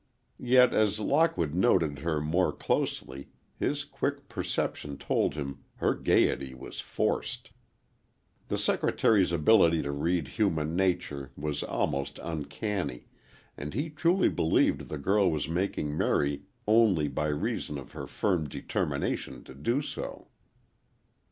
Yet as Lockwood noted her more closely, his quick perception told him her gayety was forced. The secretary's ability to read human nature was almost uncanny, and he truly believed the girl was making merry only by reason of her firm determination to do so.